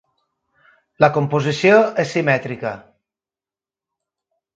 La composició és simètrica.